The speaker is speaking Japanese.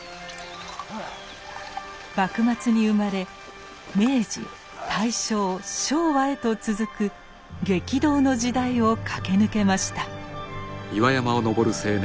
幕末に生まれ明治大正昭和へと続く激動の時代を駆け抜けました。